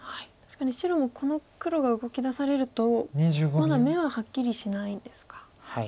確かに白もこの黒が動きだされるとまだ眼ははっきりしないですか。